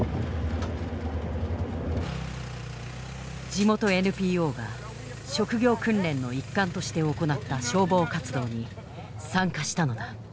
地元ＮＰＯが職業訓練の一環として行った消防活動に参加したのだ。